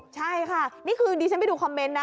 ใช่ค่ะนี่คือดิฉันไปดูคอมเมนต์นะ